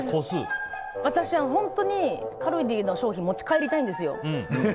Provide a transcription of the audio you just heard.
私、本当にカルディの商品持ち帰りたいんですよ。